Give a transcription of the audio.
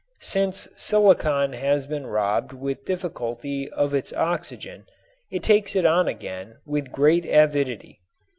Since silicon has been robbed with difficulty of its oxygen it takes it on again with great avidity.